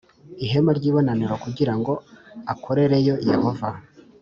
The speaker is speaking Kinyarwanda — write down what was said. ihema ry ibonaniro kugira ngo akorereyo Yehova